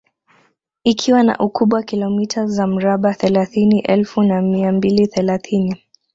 Ikiwa na ukubwa kilomita za mraba thelathini elfu na mia mbili thelathini